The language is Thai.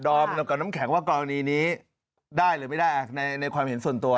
กับน้ำแข็งว่ากรณีนี้ได้หรือไม่ได้ในความเห็นส่วนตัว